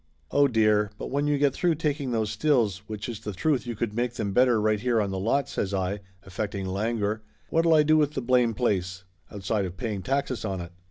"Oh, dear, but when you get through taking those stills, which it's the truth you could make them better right here on the lot," says I, affecting languor, "what'll I do with the blame place, outside of paying taxes on it?"